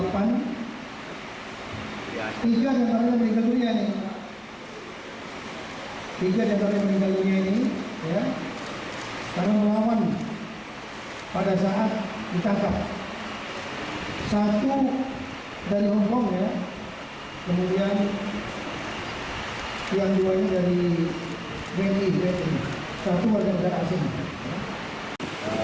pembangunan yang terakhir dianggap satu dari hong kong ya kemudian yang dua ini dari bandi satu warga negara asing